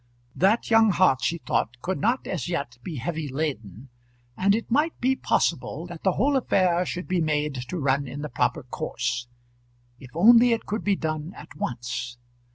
That young heart, she thought, could not as yet be heavy laden, and it might be possible that the whole affair should be made to run in the proper course, if only it could be done at once.